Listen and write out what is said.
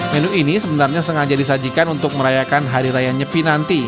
menu ini sebenarnya sengaja disajikan untuk merayakan hari raya nyepi nanti